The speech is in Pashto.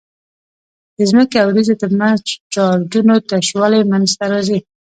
د ځمکې او وريځو ترمنځ چارجونو تشوالی منځته راځي.